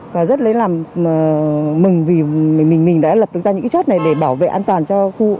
và rất lấy làm mừng vì mình đã lập ra những cái chốt này để bảo vệ an toàn cho khu